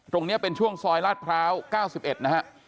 ตรงนี้เป็นช่วงซอยลาดพร้าว๙๑นะฮะ